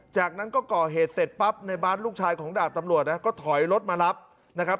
จากนั้นก็ก่อเหตุเสร็จปั๊บในบาสลูกชายของดาบตำรวจนะก็ถอยรถมารับนะครับ